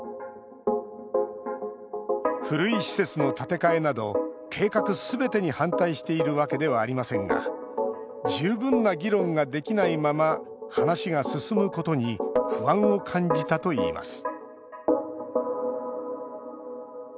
古い施設の建て替えなど計画すべてに反対しているわけではありませんが十分な議論ができないまま話が進むことに不安を感じたといいます